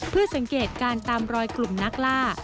เพื่อสังเกตการตามรอยกลุ่มนักล่า